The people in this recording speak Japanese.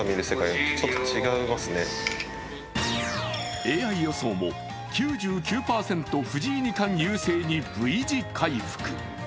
ＡＩ予想も９９％藤井二冠優勢にＶ字回復。